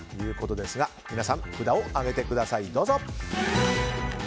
皆さん、札を上げてください。